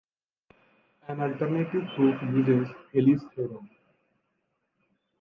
An alternative proof uses Helly's theorem.